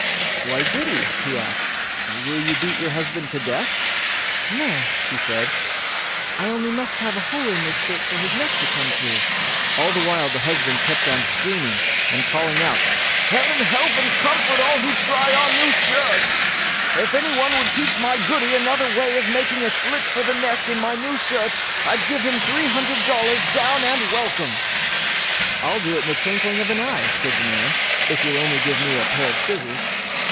"Why, Goody!" he asked, "will you beat your husband to death?" "No", she said, "I only must have a hole in this shirt for his neck to come through." All the while the husband kept on screaming and calling out: "Heaven help and comfort all who try on new shirts. If anyone would teach my Goody another way of making a slit for the neck in my new shirts, I'd give him three hundred dollars down and welcome." "I'll do it in the twinkling of an eye", said the man, "if you'll only give me a pair of scissors."